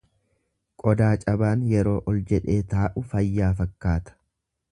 Qodaa cabaan yeroo ol jedhee taa'u fayyaa fakkaata.